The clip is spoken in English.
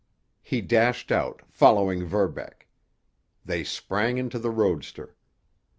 He dashed out, following Verbeck. They sprang into the roadster.